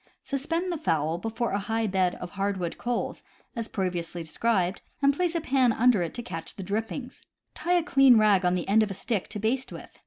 Suspend the fowl before a high bed of hardwood coals, as previously described, and place a pan under it to catch drippings. Tie a clean rag on the end of a stick to baste with.